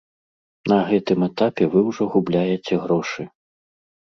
На гэтым этапе вы ўжо губляеце грошы.